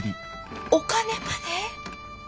お金まで。